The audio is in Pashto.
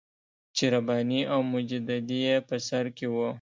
چې رباني او مجددي یې په سر کې وو.